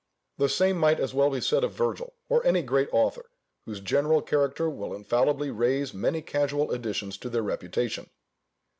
The same might as well be said of Virgil, or any great author whose general character will infallibly raise many casual additions to their reputation.